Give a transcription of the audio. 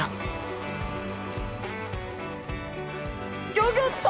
ギョギョッと！